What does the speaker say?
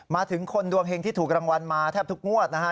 มาถึงคนดวงเห็งที่ถูกรางวัลมาแทบทุกงวดนะฮะ